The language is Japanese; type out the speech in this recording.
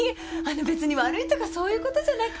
あのう別に悪いとかそういうことじゃなくて。